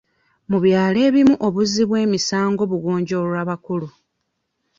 Mu byalo ebimu obuzzi bw'emisango bugonjoolwa bakulu.